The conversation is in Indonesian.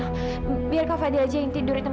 aku bukan fadil yang patae